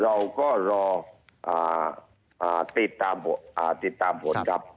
เราก็รอติดตามผลครับ